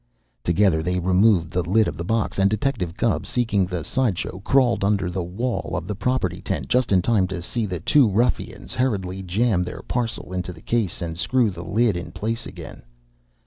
Together they removed the lid of the box, and Detective Gubb, seeking the side show, crawled under the wall of the property tent just in time to see the two ruffians hurriedly jam their parcel into the case and screw the lid in place again.